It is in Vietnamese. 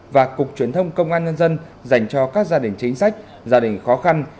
và cục truyền thông công an nhân dân dành cho các gia đình chính sách gia đình khó khăn